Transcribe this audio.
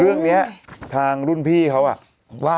เรื่องนี้ทางรุ่นพี่เขาว่า